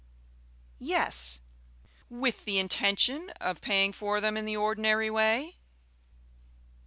"Yes." "With the intention of paying for them in the ordinary way?"